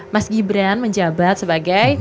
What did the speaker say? mas gibran menjabat sebagai